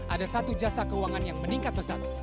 ada satu jasa keuangan yang meningkat pesat